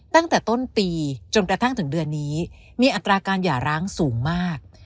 ตั้งแต่ต้นปีจนกระทั่งถึงเดือนนี้มีอัตราการหย่าร้างสูงมาก